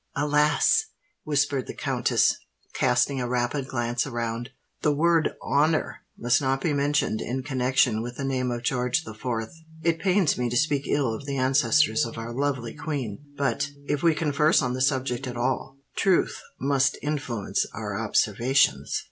"Alas!" whispered the countess, casting a rapid glance around; "the word honour must not be mentioned in connexion with the name of George the Fourth. It pains me to speak ill of the ancestors of our lovely queen: but—if we converse on the subject at all—truth must influence our observations.